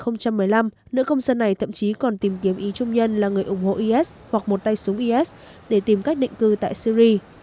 năm hai nghìn một mươi năm nữ công dân này thậm chí còn tìm kiếm ý chung nhân là người ủng hộ is hoặc một tay súng is để tìm cách định cư tại syri